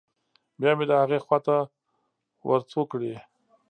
بيا مې د هغې خوا ته ورتو کړې.